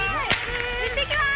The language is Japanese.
行ってきます。